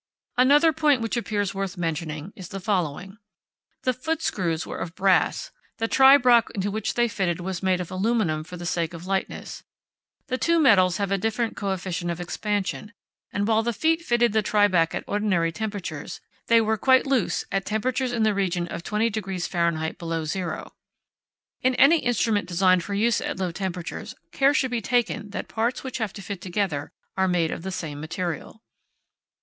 Another point which appears worth mentioning is the following: The foot screws were of brass, the tribrach, into which they fitted, was made of aluminium for the sake of lightness. The two metals have a different coefficient of expansion, and while the feet fitted the tribrach at ordinary temperatures, they were quite loose at temperatures in the region of 20° Fahr. below zero. In any instrument designed for use at low temperatures, care should be taken that parts which have to fit together are made of the same material.